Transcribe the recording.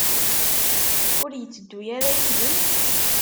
Ur yetteddu ara yid-m?